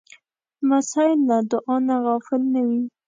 لمسی له دعا نه غافل نه وي.